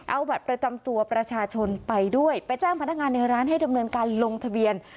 เอาบัตรประจำตัวประชาชนไปด้วยไปแจ้งพนักงานในร้านให้ดำเนินการลงทะเบียน